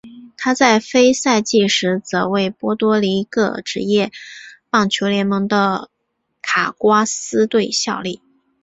他在非赛季时则为波多黎各职业棒球联盟的卡瓜斯队效力。